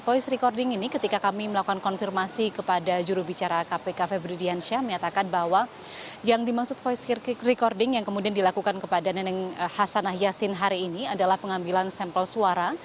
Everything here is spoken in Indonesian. voice recording ini ketika kami melakukan konfirmasi kepada jurubicara kpk febri diansyah menyatakan bahwa yang dimaksud recording yang kemudian dilakukan kepada neneng hasanah yassin hari ini adalah pengambilan sampel suara